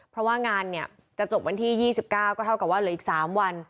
เพราะว่างานเนี่ยจะจบวันที่๒๙ก็เท่ากับว่าเหลืออีก๓วัน